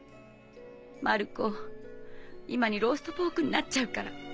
マルコ今にローストポークになっちゃうから。